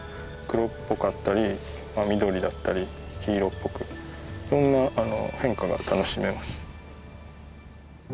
黒っぽかったり緑だったり黄色っぽくいろんな変化が楽しめます。